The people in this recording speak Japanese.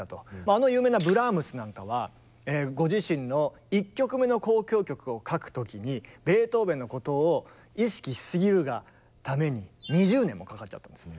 あの有名なブラームスなんかはご自身の１曲目の交響曲を書く時にベートーベンのことを意識しすぎるがために２０年もかかっちゃったんです。